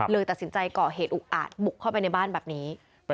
ตัดสินใจก่อเหตุอุกอาจบุกเข้าไปในบ้านแบบนี้